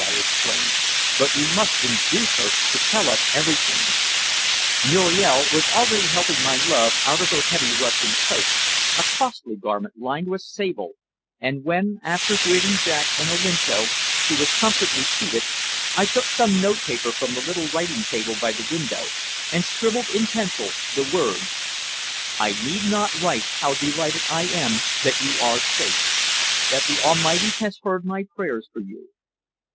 I exclaimed. "But we must induce her to tell us everything." Muriel was already helping my love out of her heavy Russian coat, a costly garment lined with sable, and when, after greeting Jack and Olinto, she was comfortably seated, I took some notepaper from the little writing table by the window and scribbled in pencil the words: "I need not write how delighted I am that you are safe that the Almighty has heard my prayers for you.